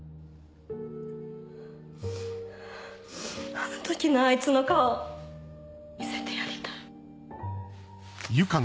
あの時のあいつの顔見せてやりたい。